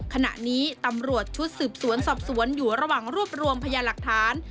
ขณะนี้ตำรวจชุดสืบสวนสอบสวนอยู่ระหว่างรวบรวมพยาหลักฐาน